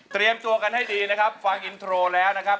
ตัวกันให้ดีนะครับฟังอินโทรแล้วนะครับ